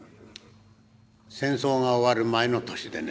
戦争が終わる前の年でね。